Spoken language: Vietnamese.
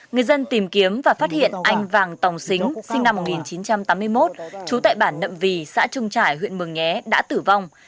người dân tìm kiếm và phát hiện anh vàng tòng xính sinh năm một nghìn chín trăm tám mươi một trú tại bản nậm vy xã trung trải huyện mường nhé đã tử vong